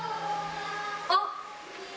あっ。